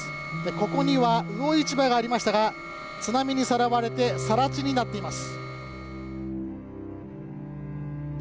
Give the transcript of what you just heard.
ここには魚市場がありましたが津波にさらわれてさら地になっています。